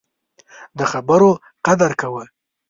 د خبرو قدر کوه